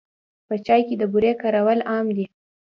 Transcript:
په چای کې د بوري کارول عام دي.